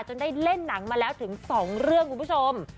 ได้เล่นหนังมาแล้วถึง๒เรื่องคุณผู้ชม